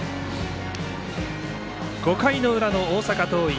５回の裏の大阪桐蔭。